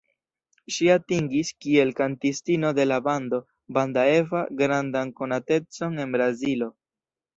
Ŝi atingis kiel kantistino de la bando "Banda Eva" grandan konatecon en Brazilo.